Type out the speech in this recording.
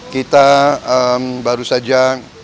kita baru saja